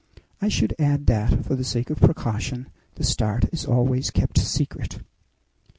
I should add that, for the sake of precaution, the start is always kept secret.